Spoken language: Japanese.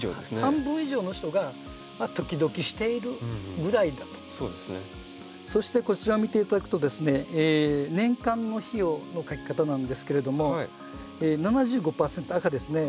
半分以上の人が「ときどきしているぐらいだ」と。そしてこちらを見ていただくとですね年間の費用のかけ方なんですけれども７５％赤ですね